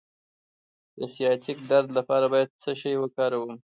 د سیاتیک درد لپاره باید څه شی وکاروم؟